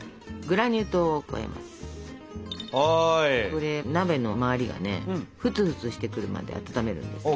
これ鍋の周りがねフツフツしてくるまで温めるんですけど。